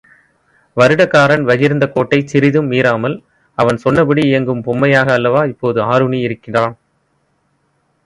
வருடகாரன் வகிர்ந்த கோட்டைச் சிறிதும் மீறாமல், அவன் சொன்னபடி இயங்கும் பொம்மையாக அல்லவா இப்போது ஆருணி இருக்கிறான்?